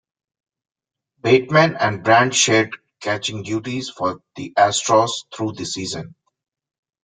Bateman and Brand shared catching duties for the Astros through the season.